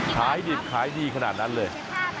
ขายดีขนาดนั้นเลย